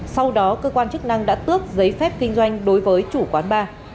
sau đó cơ quan chức năng đã tước giấy phép kinh doanh đối với chủ quán bar